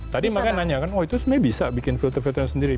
tadi makanya nanya kan oh itu sebenarnya bisa bikin filter filter sendiri